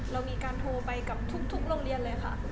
เรามีการโทรไปกับทุกโรงเรียนเลยค่ะ